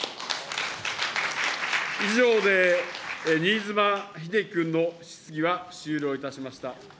以上で新妻秀規君の質疑は終了いたしました。